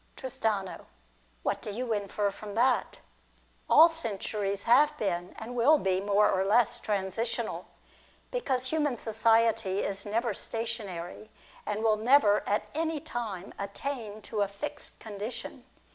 Tristano. What do you infer from that ? All centuries have been, and will be, more or less transitional ; because human society is never stationary, and will never at any time attain to a fixed condition.